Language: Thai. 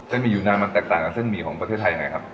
หมี่อยู่นานมันแตกต่างกับเส้นหมี่ของประเทศไทยยังไงครับ